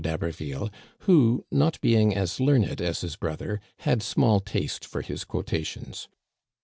d'Haberville who, not being as learned as his broth er, had small taste for his quotations.